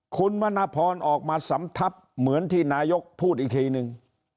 คุณมณพรออกมาสำทับเหมือนที่นายกพูดอีกทีนึง